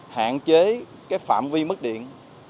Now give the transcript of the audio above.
hạn chế phạm vi mất điện